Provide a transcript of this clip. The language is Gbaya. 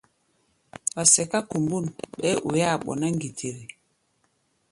Wa sɛká kombôn, ɓɛɛ́ oi-áa ɓɔná ŋgitiri.